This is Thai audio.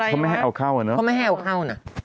เขาไม่ให้เอาเข้านะ